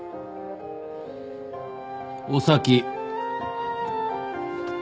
お先！